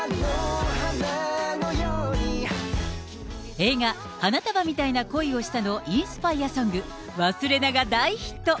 映画、花束みたいな恋をしたの、インスパイアソング、わすれなが大ヒット。